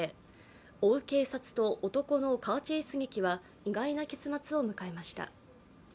追う警察と男のカーチェイス劇は意外な結末を迎えました。